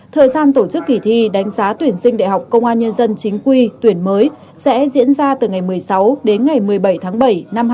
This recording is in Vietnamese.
thời gian tổ chức kỳ thi đánh giá tuyển sinh đại học công an nhân dân chính quy tuyển mới sẽ diễn ra từ ngày một mươi sáu đến ngày một mươi bảy tháng bảy năm hai nghìn hai mươi